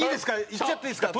いっちゃっていいですか？